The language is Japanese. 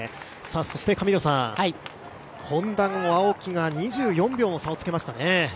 そして、Ｈｏｎｄａの青木が２４秒の差をつけましたね。